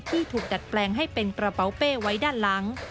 ที่ถูกดัดแปลงให้เป็นกระเป๋าเป้ไว้ด้านหลัง